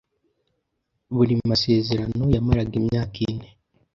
buri masezerano yamaraga imyaka ine.